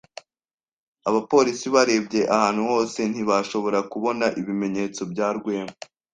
Abapolisi barebye ahantu hose ntibashobora kubona ibimenyetso bya Rwema.